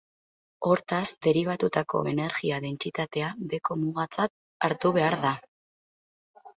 Hortaz, deribatutako energia-dentsitatea beheko mugatzat hartu behar da.